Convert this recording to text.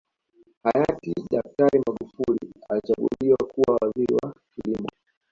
Hayati daktari Magufuli alichaguliwa kuwa Waziri wa kilimo